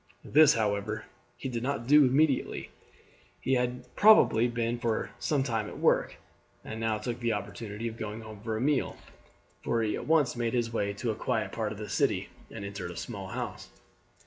This, however, he did not do immediately. He had probably been for some time at work, and now took the opportunity of going home for a meal, for he at once made his way to a quiet part of the city, and entered a small house.